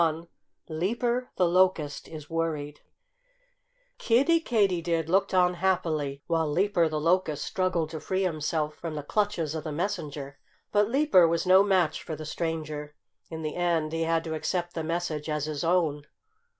XXI LEAPER THE LOCUST IS WORRIED Kiddie Katydid looked on happily while Leaper the Locust struggled to free himself from the clutches of the messenger. But Leaper was no match for the stranger. In the end he had to accept the message as his own.